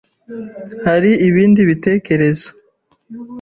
Hari ibindi bitekerezo?